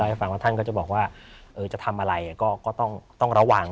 ให้ฟังว่าท่านก็จะบอกว่าจะทำอะไรก็ต้องระวัง